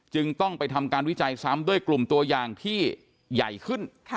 จึงต้องไปทำการวิจัยซ้ำด้วยกลุ่มตัวอย่างที่ใหญ่ขึ้น